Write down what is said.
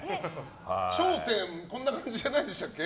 「笑点」、こんな感じじゃなかったでしたっけ？